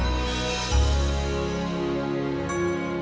sampai jumpa lagi